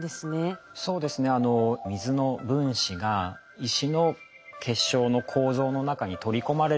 そうですね水の分子が石の結晶の構造の中に取り込まれると。